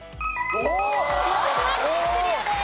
広島県クリアです。